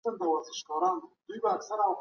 افغان سرتېرو د ځنګلونو په جګړو کي څه کول؟